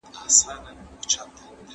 خواړه د زهشوم له خوا ورکول کيږي؟